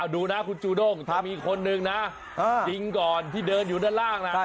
ดูนะคุณจูด้งถ้ามีคนหนึ่งนะยิงก่อนที่เดินอยู่ด้านล่างนะ